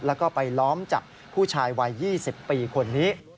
แล้วก็ไปล้อมจับผู้ชายวัย๒๐ปีคนนี้